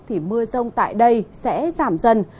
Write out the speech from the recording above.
thì mưa rông tại đây sẽ giảm dần